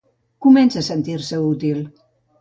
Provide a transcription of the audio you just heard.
Comença a sentir-se útil.